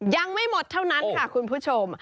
ยังไม่หมดเท่านั้นค่ะคุณผู้ชม